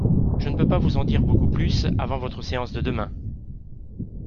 Je ne peux pas vous en dire beaucoup plus avant votre séance de demain